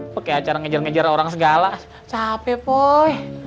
pake acara ngejar ngejar orang segala capek poy